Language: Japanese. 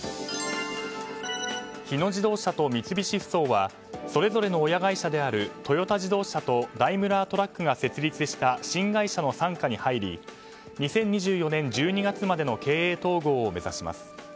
日野自動車と三菱ふそうはそれぞれの親会社であるトヨタ自動車とダイムラートラックが設立した新会社の傘下に入り２０２４年１２月までの経営統合を目指します。